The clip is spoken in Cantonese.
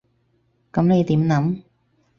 噉你點諗？